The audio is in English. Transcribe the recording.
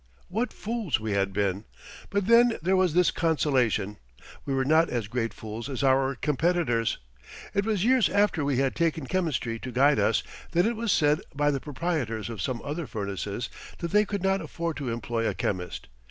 What fools we had been! But then there was this consolation: we were not as great fools as our competitors. It was years after we had taken chemistry to guide us that it was said by the proprietors of some other furnaces that they could not afford to employ a chemist.